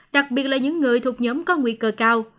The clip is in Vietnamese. đặc biệt là những người thuộc nhóm có nguy cơ cao